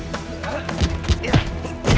aku datang tempat tuji